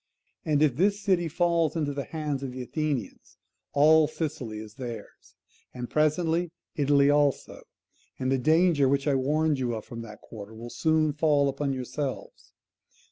And if this city falls into the hands of the Athenians, all Sicily is theirs, and presently Italy also: and the danger which I warned you of from that quarter will soon fall upon yourselves.